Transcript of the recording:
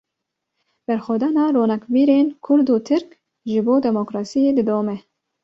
Berxwedana ronakbîrên Kurd û Tirk, ji bo demokrasiyê didome